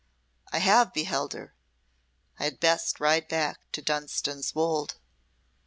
I have beheld her! I had best ride back to Dunstan's Wolde."